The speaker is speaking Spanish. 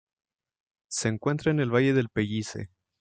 Se encuentra en el valle del Pellice.